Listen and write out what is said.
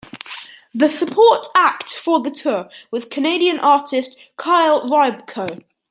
The support act for the tour was Canadian artist, Kyle Riabko.